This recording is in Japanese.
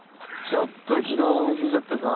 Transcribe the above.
ちょっと昨日飲み過ぎちゃってさ。